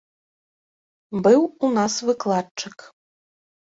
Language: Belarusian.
Быў у нас выкладчык.